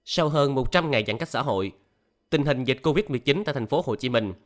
sau hơn một trăm linh ngày giãn cách xã hội tình hình dịch covid một mươi chín tại thành phố hồ chí minh